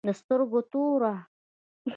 د سترگو توره